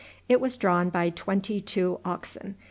It was drawn by twenty two oxen.